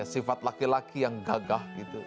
sifat laki laki yang gagah gitu